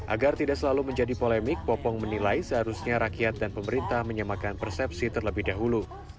agar tidak selalu menjadi polemik popong menilai seharusnya rakyat dan pemerintah menyamakan persepsi terlebih dahulu